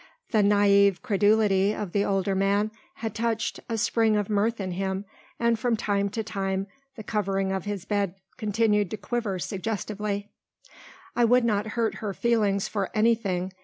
The naive credulity of the older man had touched a spring of mirth in him and from time to time the covering of his bed continued to quiver suggestively. "I would not hurt her feelings for anything.